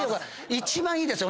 一番いいですよ。